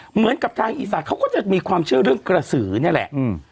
เหมือนกับทางอีสานเขาก็จะมีความเชื่อเรื่องกระสือนี่แหละ